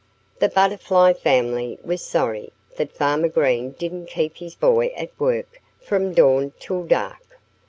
The Butterfly family was sorry that Farmer Green didn't keep his boy at work from dawn till dark.